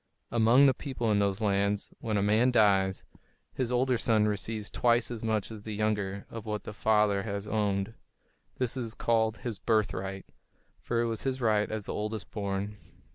Among the people in those lands, when a man dies, his older son receives twice as much as the younger of what the father has owned. This was called his "birthright," for it was his right as the oldest born.